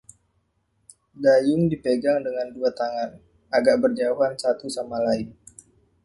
Dayung dipegang dengan dua tangan, agak berjauhan satu sama lain.